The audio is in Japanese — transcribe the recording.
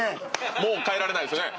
もう変えられないですよね？